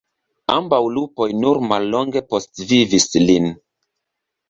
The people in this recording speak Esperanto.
Ambaŭ lupoj nur mallonge postvivis lin.